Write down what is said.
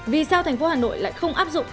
vì sao thành phố hà nội lại không áp dụng